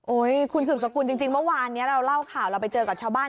คุณสืบสกุลจริงเมื่อวานนี้เราเล่าข่าวเราไปเจอกับชาวบ้าน